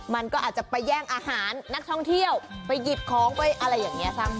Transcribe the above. มันก็อาจจะไปแย่งอาหารนักท่องเที่ยวไปหยิบของไปอะไรอย่างนี้